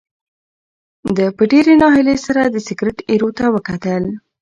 ده په ډېرې ناهیلۍ سره د سګرټ ایرو ته وکتل.